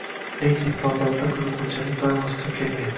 Lek inson zotida qiziquvchanlik doimo ustun kelgan